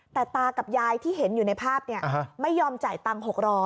แต่ตากับยายที่เห็นอยู่ในภาพไม่ยอมจ่ายตังค์๖๐๐